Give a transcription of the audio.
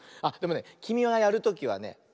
あっでもねきみがやるときはね